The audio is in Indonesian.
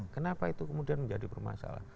kenapa itu kemudian menjadi bermasalah